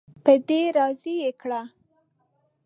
په دې راضي کړ.